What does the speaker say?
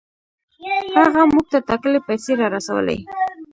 هغه موږ ته ټاکلې پیسې را رسولې.